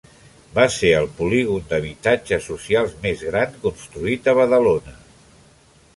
Va ser el polígon d'habitatges socials més gran construït a Badalona.